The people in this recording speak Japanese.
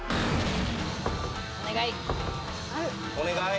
お願い